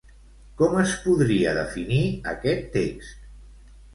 Com es podria definir aquest text?